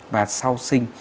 và sau sinh